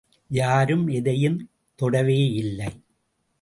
யாரும் எதையும் தொடவேயில்லை.